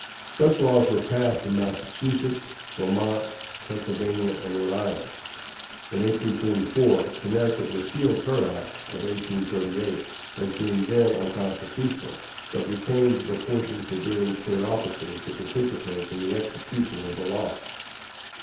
Such laws were passed in Massachusetts, Vermont, Pennsylvania, and Rhode Island. In 1844, Connecticut repealed her act of 1838, as being then unconstitutional, but retained the portion forbidding State officers to participate in the execution of the law.